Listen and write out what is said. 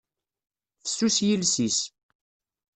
Fessus yiles-is.